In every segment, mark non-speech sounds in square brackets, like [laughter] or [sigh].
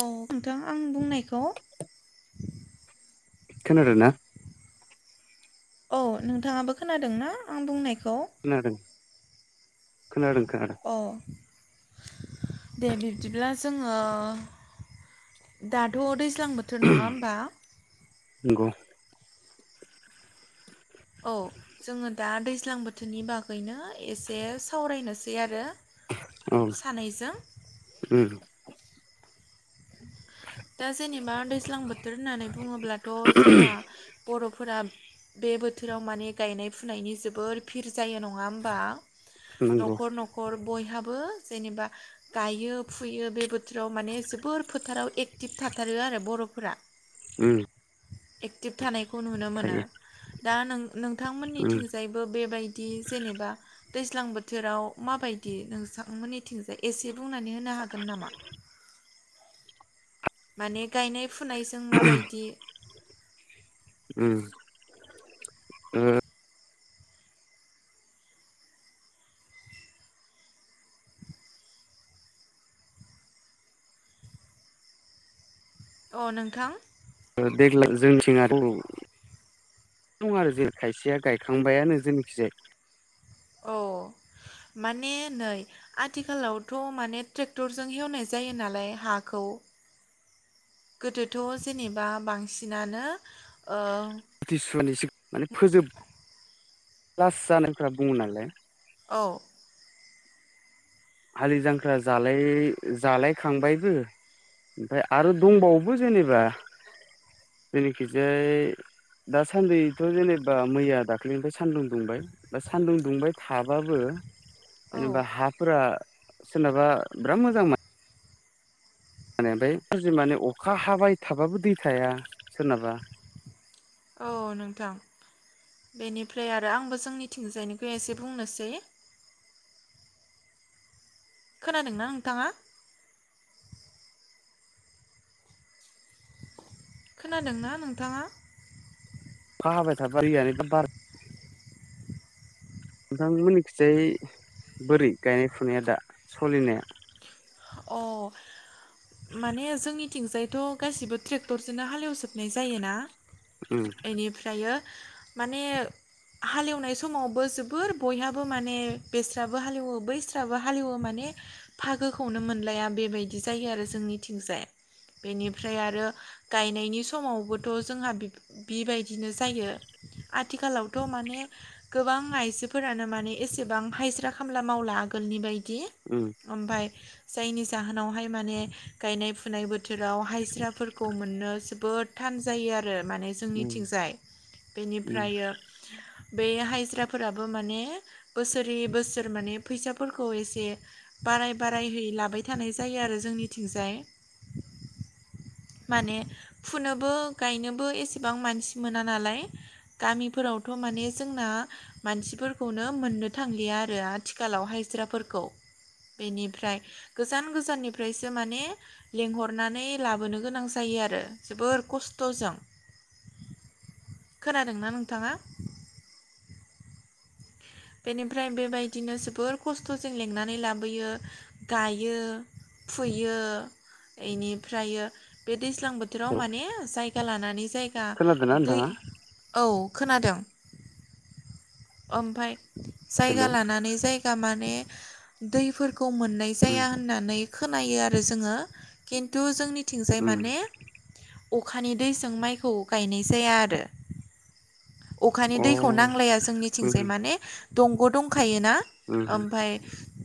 औ नोंथां आं बुंनायखौ खोनादोना औ नोंथाङाबो खोनादों ना आं बुंनाय खोनादों खोनादों खोनादों अ दे बिब्दिब्ला जोङो दाथ' दै गोजां बोथोर नङा होमबा नंगौ औ जोङो दा दैज्लां बोथोरनि बागैनो एसे सावरायनोसै आरो औ ओम सानैजों दा जेनेबा दैज्लां बोथोर होननानै बुङोब्लाथ' जोंहा बर' फोरा बे बोथोराव माने गायनाय फुनायनि जोबोर फिर जायो नङा होमबा नंगौ न'ख'र नख'र बयहाबो जेनेबा गायो फुयो बे बोथोराव माने जोबोर फोथाराव एक्टिभ थाथारो आरो बर'फोरा ओम एक्टिभ थानायखौ नुनो मोनो थायो दा नों उम नोंथांमोननिथिंजायबो बेबायदि जेनेबा दैज्लां बोथोराव माबायदि नोंसांमोननिथिंजाय एसे बुंनानै होनो हागोन नामा माने गायनाय फुनायजों माबायदि उम उम अ नोंथां ओ देग्लाय जोंनिथिं आरो दं आरो जे खायसेया गायखांबायानो जोंनिथिंजाय अ माने नै आथिखालावथ' माने ट्रेक्टरजों एवनाय जायो नालाय हाखौ गोदोथ' जेनेबा बांसिनानो ओ तिसुवनि सिगां माने फोजो लास जानायफ्रा बुङो नालाय औ हालि-जांख्रा जालाय जालायखांबायबो ओमफ्राय आरो दंबावोबो जेनेबा जोंनिखिजाय दासान्दिथ' जेनेबा मैया दाख्लैनिफाय सान्दुं दुंबाय दा सान्दुं दुंबाय थाबाबो औ जेनेबा हाफोरा सोरनाबा बिराद मोजांमोन माने ओमफाय गाज्रि माने अखा हाबाय थाबाबो दै थाया सोरनाबा अ नोंथां बेनिफ्राय आरो आंबो जोंनिथिजायनिखौ एसे बुंनोसै खोनादोंना नोंथाङा? खोनादोंना नोंथाङा? अखा हाबायथा दैयानो द बार नोंथांमोननिखिजाय बोरै गायनाय फुनाया दा सलिनाया? अह माने जोंनिथिंजायथ' गासिबो ट्रेक्टरजोंनो हालेवजोबनाय जायोना उम एनिफ्रायो माने हालेवनाय समावबो जोबोर बयहाबो माने बेस्राबो हालेवो बैस्राबो हालेवो माने फागोखौनो मोनलाया बेबायदि जायो आरो जोंनिथिंजाय बेनिफ्राय आरो गायनायनि समावबोथ' जोंहा बिब-बिबायदिनो जायो। आथिखालावथ' माने गोबां आइजोफोरानो माने एसेबां हायजिर खामला मावला। आगोलनि बायदि उम ओमफाय जायनि जाहोनावहाय माने गायनाय फुनाय बोथोराव हायजिरफोरखौ मोननो जोबोद थान थान जायो आरो माने उम जोंनिथिंजाय उम बेनिफ्रायो बे हायजिराफोराबो माने बोसोरै बोसोर माने फैसाफोरखौ एसे बाराय बारायहै लाबाय थानाय जायो आरो जोंनिथिंजाय माने फुनोबो गायनोबो एसेबां मानसि मोना नालाय गामिफोरावथ' माने जोंना मानसिफोरखौनो मोननो थांलिया आरो आथिखालाव हायजिराफोरखौ बेनिफ्राय गोजान गोजाननिफ्रायसो माने लेंंहरनानै लाबोनो गोनां जायो आरो जोबोर खस स्ट'जों खोनादोंना नोंथाङा? बेनिफ्राय बेबायदिनो जोबोर खस्थ'जों लिंनानै लाबोयो गायो। फुयो इनिफ्रयो बे दैज्लां बोथोराव औ माने जायगा लानानै जायगा खोनादोंना दै नोंथाङा औ खोनादों ओमफाय जायगा हेलौ लानानै जायगा माने दैफोरखौ मोननाय उम जाया होननानै खोनायो आरो जोङो खिन्थु जोंनिथिंजाय उम माने अखानि दैजों माइखौ गायनाय जाया आरो। अखानि अ दैखौ नांलाया जोंनिथिंजाय उम माने दंग' दंखा थायोना उम ओमफाय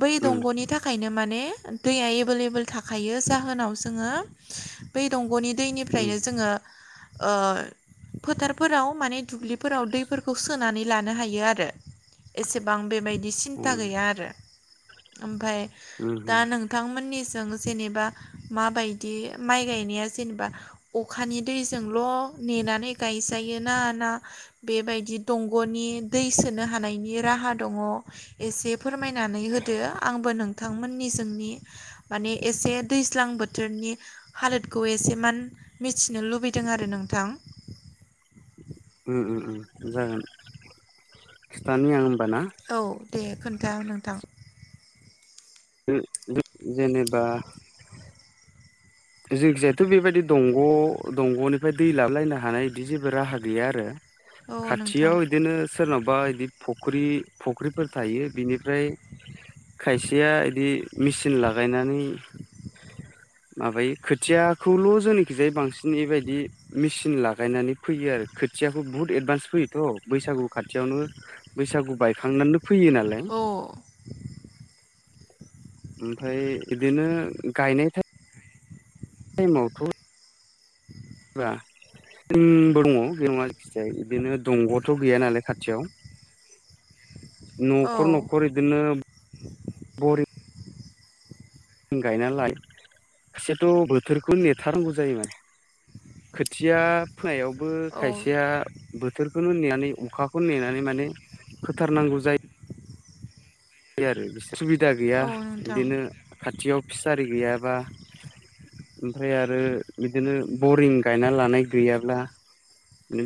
बै उम दंग'नि थाखायनो माने दैया एबोललेबोल थाखायो जोनाव जोङो बै दंग'नि उम दैनिफ्रायनो जोङो ओ फोथारफोराव माने दुब्लि फोराव दैफोरखौ सोनानै लानो हायो आरो एसेबां बेबाय उम सिन्था गैया आरो ओमफाय दा उम नोंथांमोननि जों जेनेबा माबायदि माइ गायनाया जेनेबा अखानि दैजोंल' नेनानै गायजायोना ना बेबायदि दंग'नि दै सोनो हानायनि राहा दङ एसे फोरमायनानै होदो आंबो नोंथांमोननि जोंनि माने एसे दैज्लां बोथोरनि हालोदखौ एसे मान मिथि नो लुबैदों आरो नोंथां ओम ओम जागोन खिथानि आं ना औ दे खोन्था नोंथां ओ दो जेनेबा जोंनिखिजायथ' बेबायदि दंग' दंग'निफ्राय दै लाबलायनो हानाय बिदि जेबो राहा गैया आरो। औ नोंथां खाथियाव इदिनो सोरनावबा इदि फ फख्रि फुख्रिफोर थायो बिनिफ्राय खायसेया इदि मेचिन लागायनानै माबायो। खोथियाखौल' जोंनिखिजाय बांसिन बेबायदि मेसिन लागायनानै फैयो आरो खोथियाखौ बु बहुत एदभान्स फैयोथ' बैसागु खाथियावनो बैसागु बायखांनानैनो फैयो नालाय। औ ओमफाय बिदिनो गायनाय टाइमावथ' बा ओमबो दङ बे नङा जिखिजाया इदिनो दंग'थ' गैया नालाय खाथियाव। [inaudible] औ न'खर न'खर बिदिनो बरिं जों गायनालाय खायसेयाथ' बोथोरखौ नेथारनांगौ जायो माने खोथिया फोनायावबो औ खायसेया बो बोथोरखौनो नेनानै अखाखौनो नेनानै माने फोथारनांगौ जायो। बि आरो बिसोर सुबिदा गैया औ नोंथां बिदिनो खाथियाव फिसारि गैयाबा। ओमफ्राय आरो बिदिनो बरिं गायना लानाय गैयाब्ला।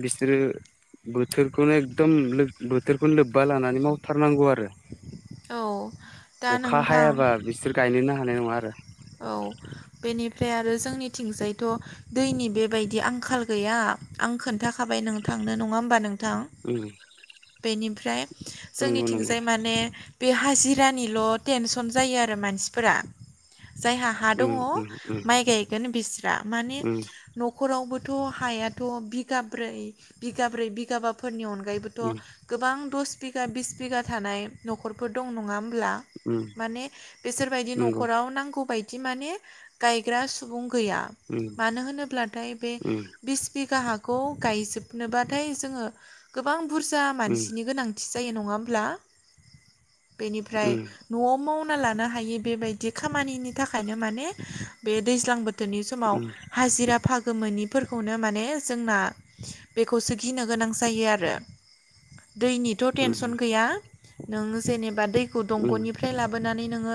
बिसोरो बोथोरखौनो एकदम बोथोरखौनो लोब्बा लानानै मावथारनांगौ। आरो औ दा अखा नोंथां हायाबा बिसोर गायनोनो हानाय नङा। आरो औ बेनिफ्राय आरो जोंनिथिंजायथ' दैनि बेबायदि आंखाल गैया आं खोन्थाखाबाय। नोंथांनो नङा होनबा। थां उम बेनिफ्राय नंगौ नंगौ जोंनिथिंजाय माने बे हाजिरानिल टेनसन जायो आरो मानसिफोरा। जायहा हा दङ उम उम उम माइ गायगोन बिस्रा माने उम नख'रावबो थ हायाथ बिगाब्रै बिगाब्रै बिगाबाफोरनि अनगायैबोथ उम गोबां दस बिघा बिस बिघा थानाय नख'रफोर दं नङा। ब्ला उम माने बिसोरबायदि नंगौ नख'राव नांगौ बायदि माने गायग्रा सुबुं गैया उम मानो होनोब्लाथाय बे उम बिस बिघा हा खौ गायजोबनोबाथाय जोङो गोबां बुरजा उम मानसिनि गोनांथि जायो नङा होमब्ला बेनिफ्राय उम न'वाव मावना लानो हायो बेबायदि खामानिनि थाखायनो माने बे दैज्लां बोथोरनि समाव उम हाजिरा फाग गो मोनिफोरखौनो माने जोंना बेखौसो गिनो गोनां जायो आरो [unintelligible] दैनिथ' उम टेनसन गैया नों जेनेबा दैखौ उम दंग'निफ्राय लाबोनानै नोङो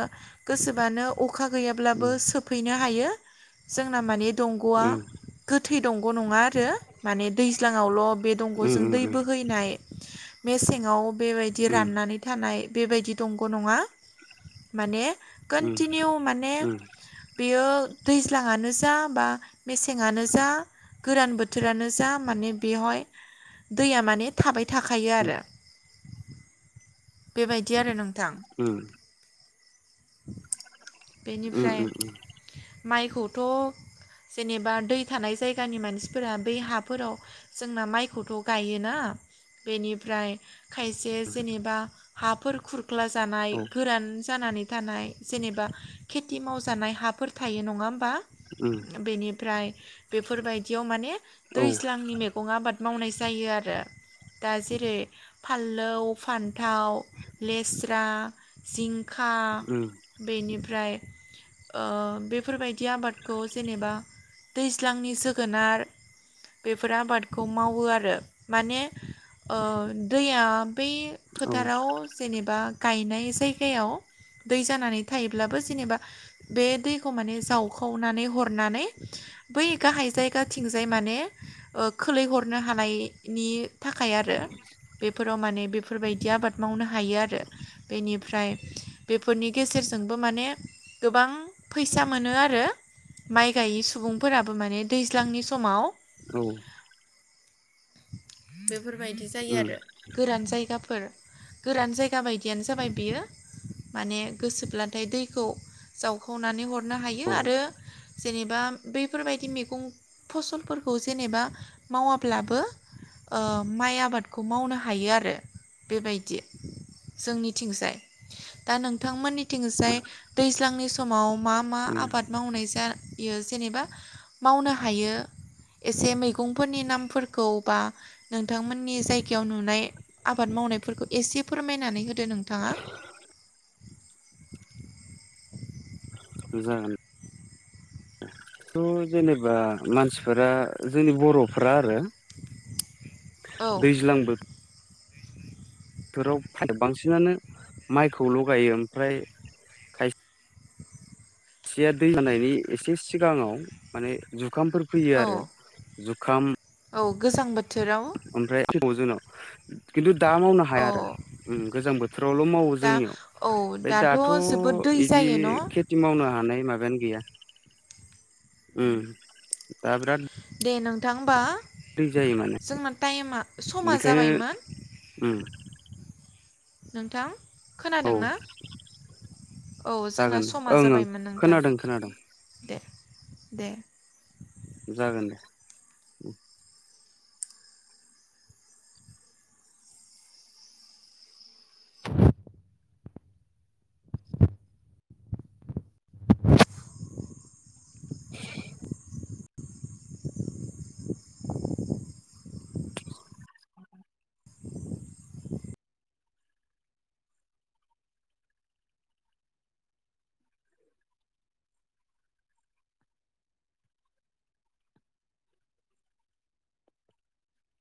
गोसोबानो अखा गैयाब्लाबो सोफैनो हायो जोंना माने दंग'वा गोथै दंग' नङा आरो माने दैज्लाङावल बे दंगजों दै बोहैनाय मेसेङाव बेबायदि राननानै थानाय बेबायदि दंग' नङा माने कन्टिनिउ माने बेयो दैज्लाङानो जा बा मेसेंनो जा गोरान बोथोरानो जा मानो बेवहाय दैया माने थाबाय थाखायो आरो बेबायदि आरो नों ओम बेनिफ्राय माइखौथ' जेनेबा दै थानाय जायगानि मानसिफोरा बै हाफोराव जोंना माइखौथ' गायोना। बेनिफ्राय खायसे जेनेबा हाफोर खुर ख्ला जानाय गोरान जानानै थानाय जेनेबा खेथि मावजानाय हाफोर थायो नङा होमबा। बेनिफ्राय बेफोरबायदियाव माने दैज्लांनि मैगं आबाद मावनाय जायो आरो दा जेरै फानलौ फान्थाव लेस्रा जिंखा ओम फ्राय ओ बेफोरबायदि आबादखौ जेनेबा दैज्लांनि जोगोनार बेफोर आबादखौ मावो आरो ओ माने दैया बै फोथाराव जेनेबा गायनाय जायगायाव दै जानानै थायोब्लाबो जेनेबा बे दैखौ माने जावखावनानै हरनानै बै गाहाय जायगाथिंजाय माने खोलैहरनो हानायनि थाखाय आरो बेफोराव माने बेफोरबायदि आबाद मावनो हायो आरो बेनिफ्राय बेफोरनि गेजेरजोंबो माने गोबां फैसा मोनो आरो माइ गायै सुबुंफोराबो माने दैज्लांनि समाव औ बेफोरबायदि जायो आरो गोरान जायगाफोर गोरान जायगा बायदियानो जाबाय बेयो माने गोसोब्लाथाय दैखौ जावखावनानै हरनो हायो आरो जेनेबा बैफोरबायदि मैगं फसलफोरखौ जेनेबा मावाब्लाबो ओ माइ आबादखौ मावनो हायो आरो बेबायदि जोंनिथिंजाय दा नोंथांमोननिथिंजाय दैज्लांनि समाव मा मा आबाद मावनाय जा इयो जेनेबा मावनो हायो एसे मैगंफोरनि नामफोरखौ बा नोंथांमोननि जायगायाव नुनाय आबाद माव मावनायफोरखौ एसे फोरमायनानै होदो नोंथाङा जागोन थ जेनेबा मानसिफोरा जोंनि बर फोरा आरो [unintelligible] दैज्लांबो बोथोराव बांसिनानो माइखौ ल गायो ओमफ्राय खाय सिया दै जानायनि एसे सिगाङाव माने जुखामफोर फैयो आरो औ जुखाम औ गोजां बोथोराव मावो जोंनाव खिन्थु दा मावनो औ हाया आरो गोजां बोथोरावल' मावो दा जोंनियाव औ ओमफ्राय दाथ' जोबोद दै बिदि जायो न' खेथि मावनो हानाय माबा गैया ओम [unintelligible] दे नोंथां होनबा माने जोंना टाइमा समा बेखायनो जाबायमोन उम नोंथां औ खोनादों ना औ जोंना जागोन समा ओं ओं जाबायमोन नोंथां खोनादों खोनादों दे दे जागोन दे [unintelligible] [unintelligible]